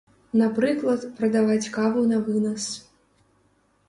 Напрыклад, прадаваць каву на вынас.